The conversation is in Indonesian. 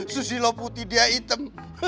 susilo putih dia hitam